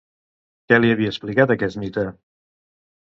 Qui li havia explicat aquest mite?